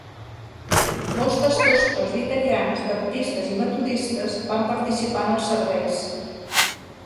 Molts pastors presbiterians, baptistes i metodistes van participar en els serveis.